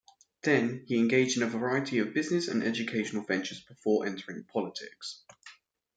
Then, he engaged in a variety of business and educational ventures before entering politics.